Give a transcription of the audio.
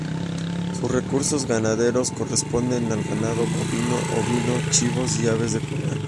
Sus recursos ganaderos corresponden a Ganado bovino, ovino, chivos y aves de corral.